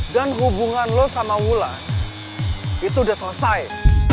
dan hubungan lo sama wulan itu udah selesai